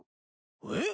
えっ？